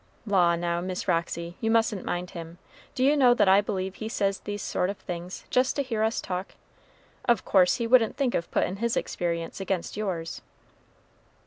"Law, now, Miss Roxy, you mus'n't mind him. Do you know that I believe he says these sort of things just to hear us talk? Of course he wouldn't think of puttin' his experience against yours."